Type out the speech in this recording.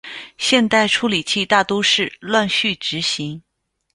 现代处理器大都是乱序执行。